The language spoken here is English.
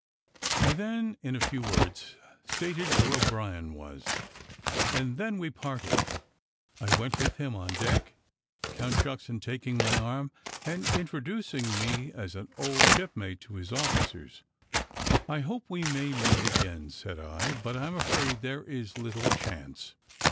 I then, in a few words, stated where O'Brien was; and then we parted, I went with him on deck, Count Shucksen taking my arm, and introducing me as an old shipmate to his officers, "I hope we may meet again," said I, "but I'm afraid there is little chance."